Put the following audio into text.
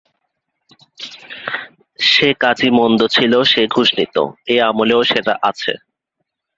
সে কাজি মন্দ ছিল সে ঘুষ নিত, এ আমলেও সেটা আছে।